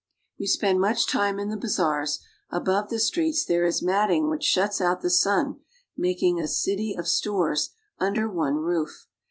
We spend much time in the bazaars. Above the streets there is matting which shuts out the sun, making a city of stores under one roof.